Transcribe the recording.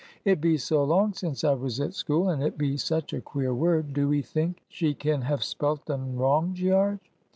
"It be so long since I was at school, and it be such a queer word. Do 'ee think she can have spelt un wrong, Gearge?"